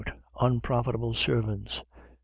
Unprofitable servants. ..